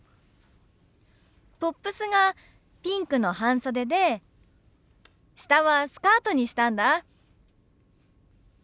トップスがピンクの半袖で下はスカートにしたんだ。